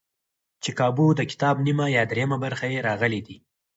چې کابو دکتاب نیمه یا درېیمه برخه یې راغلي دي.